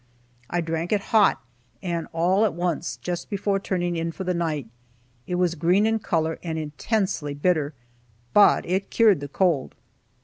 I drank it hot, and all at once, just before turning in for the night. It was green in color, and intensely bitter, but it cured the cold.